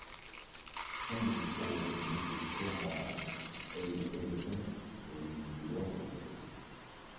Henry Ford and Mrs. Thomas A. Edison were in the audience.